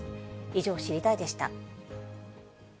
以上、知りたいッ！でした。